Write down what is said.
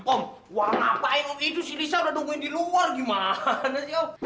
om wah ngapain om itu si lisa udah nungguin di luar gimana sih om